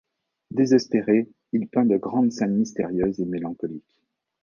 Désespéré, il peint de grandes scènes mystérieuses et mélancoliques.